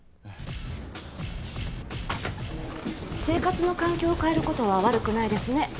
生活の環境を変えることは悪くないですね。